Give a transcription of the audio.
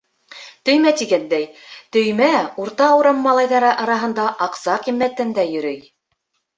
Төймә тигәндәй, төймә урта урам малайҙары араһында аҡса ҡиммәтендә йөрөй.